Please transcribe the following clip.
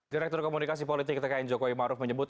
direktur komunikasi politik tkn jokowi maruf menyebut